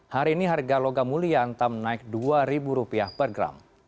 hari ini harga logam mulia antam naik rp dua per gram